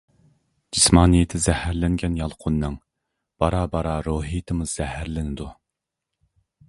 جىسمانىيىتى زەھەرلەنگەن يالقۇننىڭ بارا-بارا روھىيىتىمۇ زەھەرلىنىدۇ.